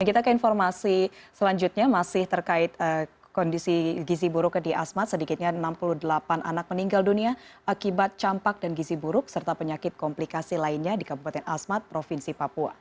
kita ke informasi selanjutnya masih terkait kondisi gizi buruk di asmat sedikitnya enam puluh delapan anak meninggal dunia akibat campak dan gizi buruk serta penyakit komplikasi lainnya di kabupaten asmat provinsi papua